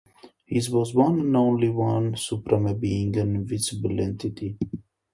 His was One and Only One Supreme Being, an Indivisible Entity.